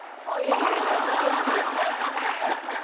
腹立つな、こいつ！